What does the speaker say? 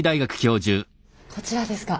こちらですか？